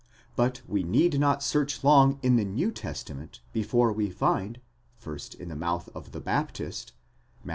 But we need not search long in the New Testament, before we find, first in the mouth of the Baptist (Matt.